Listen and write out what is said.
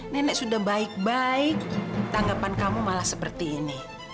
nenek sudah baik baik tanggapan kamu malah seperti ini